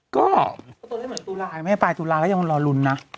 ก็ตัวนี้เหมือนตุลายนะแม่ภายตุลายแล้วยังรอลุลนะ